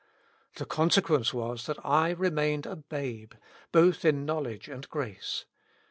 The consequence was that I remained a babe, both in knowledge and grace.